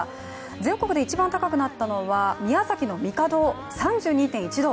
全国で一番高くなったのは宮崎県の神門、３２．１度。